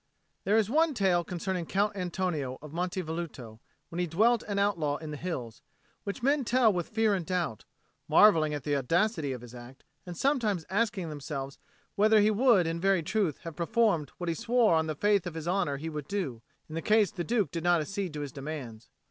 There is one tale concerning Count Antonio of Monte Velluto, when he dwelt an outlaw in the hills, which men tell with fear and doubt, marvelling at the audacity of his act, and sometimes asking themselves whether he would in very truth have performed what he swore on the faith of his honour he would do, in case the Duke did not accede to his demands.